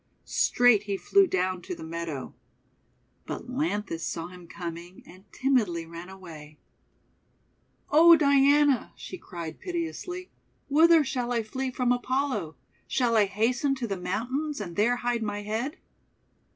Straight he flew down to the meadow. But lanthis saw him coining, and timidly ran away. 128 THE WONDER GARDEN :<O Diana!' she cried piteously, "whither shall I flee from Apollo? Shall I hasten to the mountains, and there hide my head?'